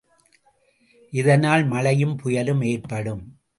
இதனால் மழையும் புயலும் ஏற்படும்.